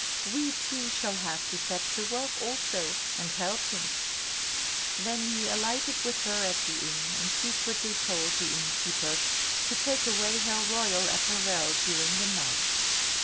We two shall have to set to work also, and help him." Then he alighted with her at the inn, and secretly told the innkeepers to take away her royal apparel during the night.